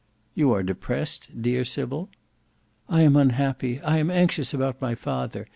"You are depressed, dear Sybil?" "I am unhappy. I am anxious about my father.